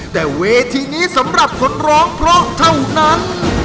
แต่เวทีนี้สำหรับคนร้องเพราะเท่านั้น